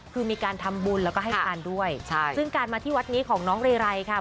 คือมีการทำบุญแล้วก็ให้ทานด้วยใช่ซึ่งการมาที่วัดนี้ของน้องเรไรค่ะ